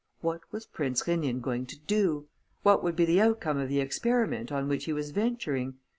What was Prince Rénine going to do? What would be the outcome of the experiment on which he was venturing?